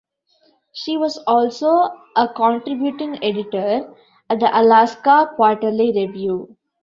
She was also a contributing editor at "The Alaska Quarterly Review".